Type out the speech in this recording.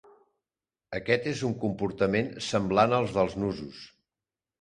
Aquest és un comportament semblant al dels nusos.